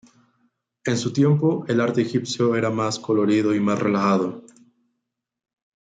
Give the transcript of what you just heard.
En su tiempo el arte egipcio era más colorido y más relajado.